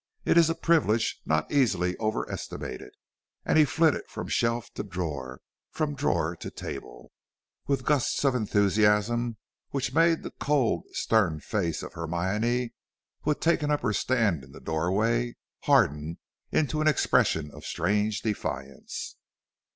It is a privilege not easily over estimated." And he flitted from shelf to drawer, from drawer to table, with gusts of enthusiasm which made the cold, stern face of Hermione, who had taken up her stand in the doorway, harden into an expression of strange defiance.